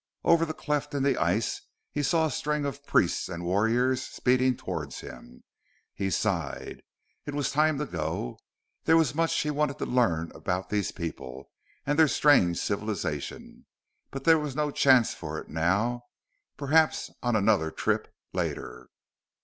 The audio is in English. Over the cleft in the ice he saw a string of priests and warriors speeding towards him. He sighed. It was time to go. There was much he wanted to learn about these people and their strange civilization, but there was no chance for it now. Perhaps on another trip, later.